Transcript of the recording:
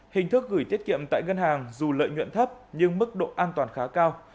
hình thức gửi tiết kiệm tại ngân hàng dù lợi nhuận thấp nhưng mức độ an toàn khá cao